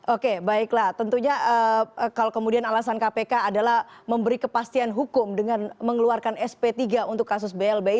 oke baiklah tentunya kalau kemudian alasan kpk adalah memberi kepastian hukum dengan mengeluarkan sp tiga untuk kasus blbi